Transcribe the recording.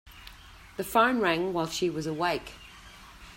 The phone rang while she was awake.